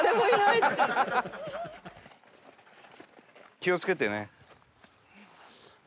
気をつけてね。